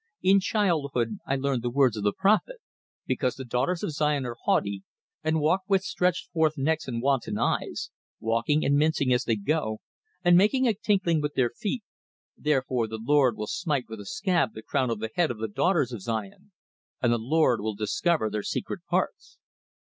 In childhood I learned the words of the prophet: 'Because the daughters of Zion are haughty, and walk with stretched forth necks and wanton eyes, walking and mincing as they go, and making a tinkling with their feet; therefore the Lord will smite with a scab the crown of the head of the daughters of Zion, and the Lord will discover their secret parts.